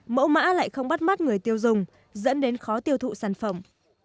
mẫu mã lại không bắt mắt người tiêu dùng dẫn đến khó tiêu thụ sản phẩm